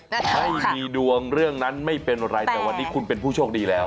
ไม่มีดวงเรื่องนั้นไม่เป็นไรแต่วันนี้คุณเป็นผู้โชคดีแล้ว